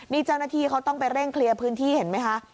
นี่เจ้าหน้าที่เขาต้องไปเร่งเคลียร์พื้นที่เห็นไหมคะ